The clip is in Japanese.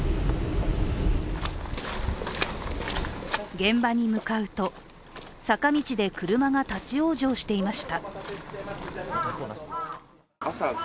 現場に向かうと、坂道で車が立往生していました。